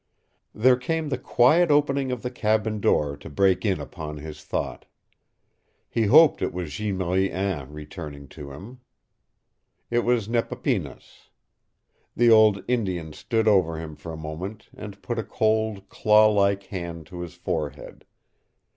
There came the quiet opening of the cabin door to break in upon his thought. He hoped it was Jeanne Marie Anne returning to him. It was Nepapinas. The old Indian stood over him for a moment and put a cold, claw like hand to his forehead.